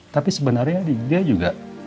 tapi sebenarnya dia juga